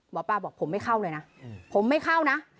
หมอปลาบอกผมไม่เข้าเลยนะผมไม่เข้านะ